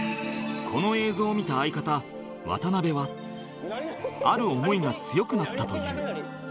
この映像を見た相方渡辺はある思いが強くなったという